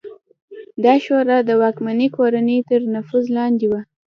دا شورا د واکمنې کورنۍ تر نفوذ لاندې وه